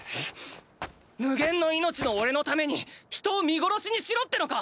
無限の命のおれのために人を見殺しにしろってのか！